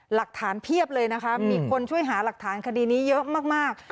หลักฐานเพี้ยบเลยนะครับมีคนช่วยหาหลักฐานคดีนะเยอะมาก